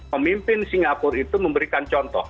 pemimpin singapura itu memberikan contoh